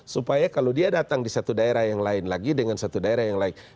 supaya kalau dia datang di satu daerah yang lain lagi dengan satu daerah yang lain